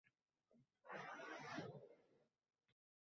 Eshik oldida oq krossovka turardi